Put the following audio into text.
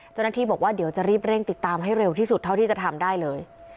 เจ้าหน้าที่บอกว่าเดี๋ยวจะรีบเร่งติดตามให้เร็วที่สุดเท่าที่จะทำได้เลย